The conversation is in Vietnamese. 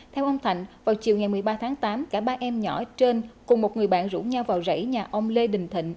theo ông thạnh vào chiều ngày một mươi ba tháng tám cả ba em nhỏ trên cùng một người bạn rủ nhau vào rẫy nhà ông lê đình thịnh